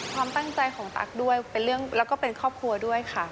ความตั้งใจของตั๊กด้วยแล้วก็เป็นครอบครัวด้วยค่ะ